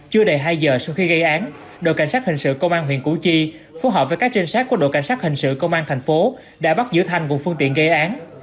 chưa đầy hai giờ sau khi gây án đội cảnh sát hình sự công an huyện củ chi phối hợp với các trinh sát của đội cảnh sát hình sự công an thành phố đã bắt giữ thanh cùng phương tiện gây án